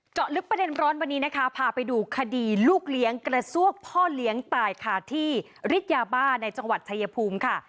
เจาะลึกประเด็นร้อนวันนี้นะคะพาไปดูคดีลูกเลี้ยงกระซวกพ่อเลี้ยงตายค่ะที่ฤทธิ์ยาบ้าในจังหวัดชายภูมิค่ะ